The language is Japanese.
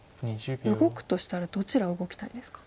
動くとしたらどちらを動きたいですか？